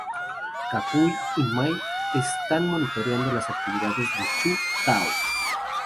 Ka-Kui y May, están monitoreando las actividades de Chu Tao.